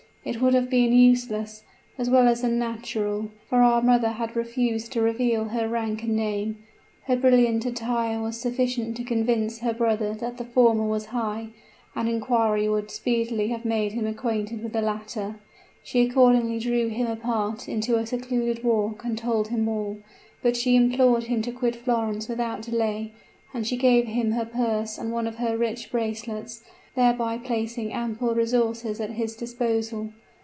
It would have been useless, as well as unnatural, for our mother to have refused to reveal her rank and name; her brilliant attire was sufficient to convince her brother that the former was high, and inquiry would speedily have made him acquainted with the latter. She accordingly drew him apart into a secluded walk and told him all; but she implored him to quit Florence without delay, and she gave him her purse and one of her rich bracelets, thereby placing ample resources at his disposal.